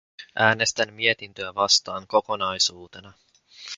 Äänestän mietintöä vastaan kokonaisuutena.